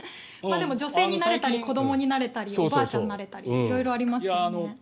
女性になれたり子どもになれたりおばあちゃんになれたり色々ありますよね。